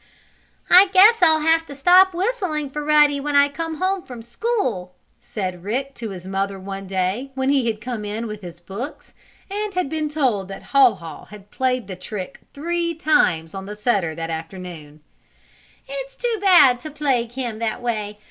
"I guess I'll have to stop whistling for Ruddy when I come home from school," said Rick to his mother one day, when he had come in with his books, and had been told that Haw Haw had played the trick three times on the setter that afternoon. "It's too bad to plague him that way.